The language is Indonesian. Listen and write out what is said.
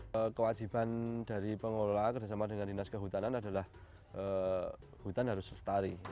pengelola kerjasama dengan dinas kehutanan adalah hutan harus selestari